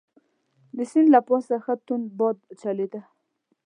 د سیند له پاسه ښه توند باد چلیده.